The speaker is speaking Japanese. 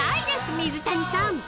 水谷さん］